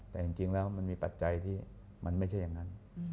แต่จริงมันมีปัจจัยไม่ใช่อย่างนั้น